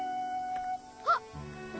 あっ！